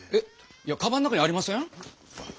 いやカバンの中にありません？